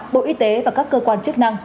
bộ y tế và các cơ quan chức năng